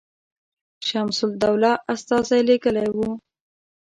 شمس الدوله استازی لېږلی وو.